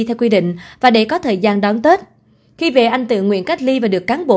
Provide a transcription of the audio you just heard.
theo quy định và để có thời gian đón tết khi về anh tự nguyện cách ly và được cán bộ